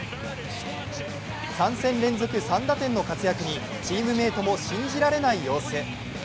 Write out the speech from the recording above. ３戦連続３打点の活躍にチームメイトも信じられない様子。